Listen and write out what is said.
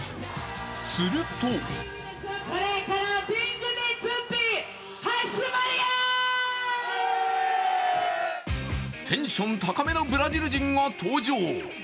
するとテンション高めなブラジル人が登場。